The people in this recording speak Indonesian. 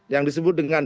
yang disebut dengan